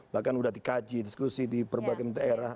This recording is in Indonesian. bahkan sudah dikaji diskusi di berbagai daerah